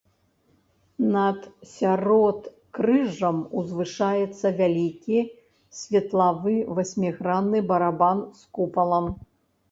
Над сяродкрыжжам узвышаецца вялікі светлавы васьмігранны барабан з купалам.